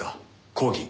抗議。